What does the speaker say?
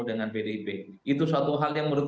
dengan pdip itu suatu hal yang menurut